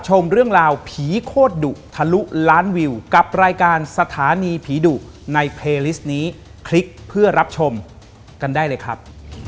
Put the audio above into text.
ขอบคุณนะครับสวัสดีครับสวัสดีครับสวัสดีครับ